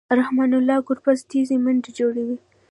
رحمن الله ګربز تېزې منډې جوړوي.